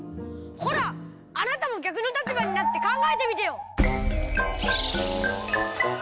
ほらあなたも逆の立場になってかんがえてみてよ！